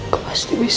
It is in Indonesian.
kau pasti bisa